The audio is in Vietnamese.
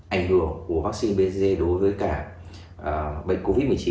ảnh hưởng của vaccine bc đối với cả bệnh covid một mươi chín